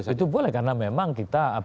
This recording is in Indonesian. itu boleh karena memang kita